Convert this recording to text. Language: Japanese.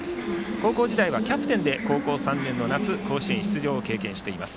高校時代はキャプテンで高校３年の夏甲子園出場を経験しています。